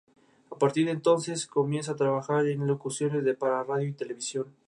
A partir de entonces comienza a trabajar en locuciones para radio y televisión.